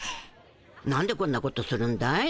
なんでこんなことするんだい？